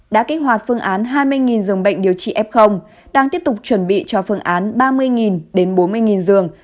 đã kích hoạt phương án hai mươi dường bệnh điều trị f đang tiếp tục chuẩn bị cho phương án ba mươi bốn mươi dường